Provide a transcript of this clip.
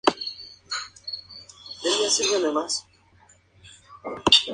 Quedaba aprobado el primer colegio de Segunda Enseñanza Cooperativa de Bilbao.